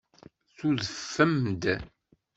Tudfem-d.